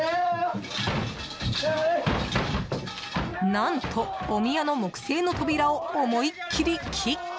何と、お宮の木製の扉を思いっきりキック！